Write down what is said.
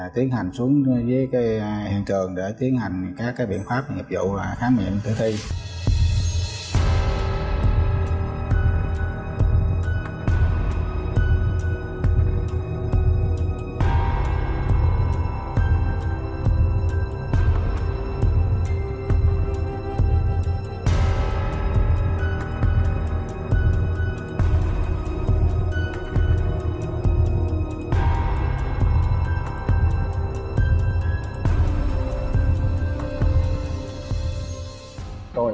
tiến hành xuống với hiện trường để tiến hành các biện pháp nhập vụ khám nghiệm thử thi